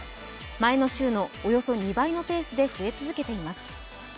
前の週のおよそ２倍のペースで増え続けています。